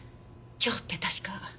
今日って確か。